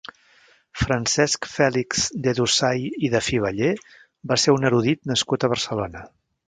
Francesc Fèlix de Dusai i de Fiveller va ser un erudit nascut a Barcelona.